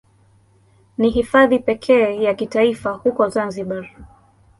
Ni Hifadhi pekee ya kitaifa huko Zanzibar.